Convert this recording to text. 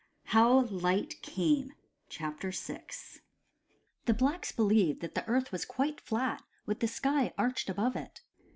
VI HOW LIGHT CAME THE blacks believed that the earth was quite flat, with the sky arched above it.